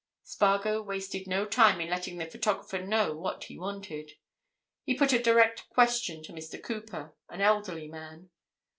Spargo wasted no time in letting the photographer know what he wanted. He put a direct question to Mr. Cooper—an elderly man.